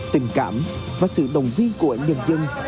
tình cảm và sự động viên của anh dân dân